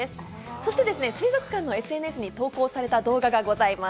そして水族館のＳＮＳに投稿された動画がございます。